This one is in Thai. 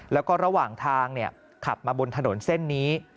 แล้วก็ระหว่างทางขับมาบนถนนเส้นนี้